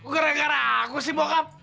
gara gara aku sih bokap